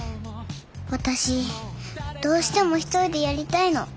私どうしても１人でやりたいの。